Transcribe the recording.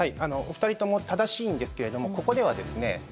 お二人とも正しいんですけれどもここではですね